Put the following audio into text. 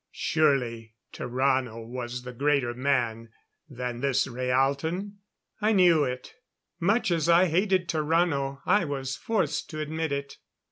Surely Tarrano was a greater man than this Rhaalton. I knew it; much as I hated Tarrano I was forced to admit it.